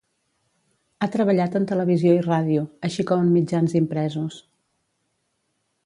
Ha treballat en televisió i ràdio, així com en mitjans impresos.